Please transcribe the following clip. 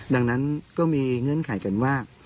ดังนั้นก็มีเงื่อนไขกันว่า